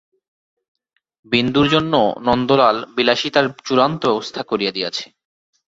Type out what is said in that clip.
বিন্দুর জন্য নন্দলাল বিলাসিতার চূড়ান্ত ব্যবস্থা করিয়া দিয়াছে।